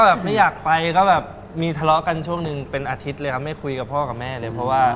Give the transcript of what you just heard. แบบไม่อยากไปก็แบบมีทะเลาะกันช่วงหนึ่งเป็นอาทิตย์เลยครับไม่คุยกับพ่อกับแม่เลยเพราะว่า